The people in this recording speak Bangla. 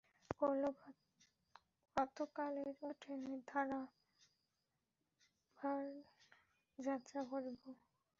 কল্য প্রাতঃকালের ট্রেনে ধারবাড় যাত্রা করিব।